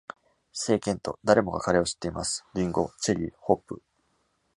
聖ケント—誰もが彼を知っています—リンゴ、チェリー、ホップ。